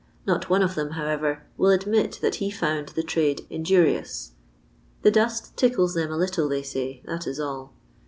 Not one of them, however, will admit that he foond the trade injurious. The dust tickles them a little, they say, that is all.